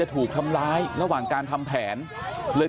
ต้องมาป้องเพื่อนมาปกป้องเพื่อน